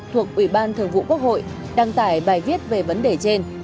thuộc ủy ban thường vụ quốc hội đăng tải bài viết về vấn đề trên